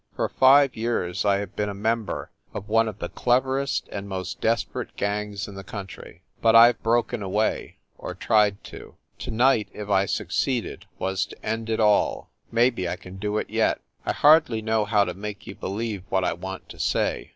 For five years I have been a member of one of the cleverest and most desperate gangs in the country. But I ve broken away or tried to. To night, if I succeeded, was to end it all. Maybe I can do it yet. I hardly know how to make you believe what I want to say.